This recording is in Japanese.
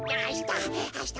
あした。